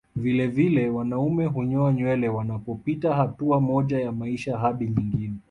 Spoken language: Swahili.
Vilevile wanaume hunyoa nywele wanapopita hatua moja ya maisha hadi nyingine